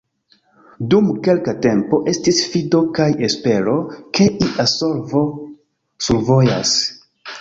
Dum kelka tempo estis fido kaj espero, ke ia solvo survojas.